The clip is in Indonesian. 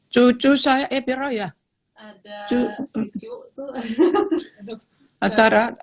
cucu saya itu ya